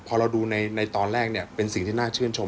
พอเราดูในตอนแรกเนี่ยเป็นสิ่งที่น่าชื่นชม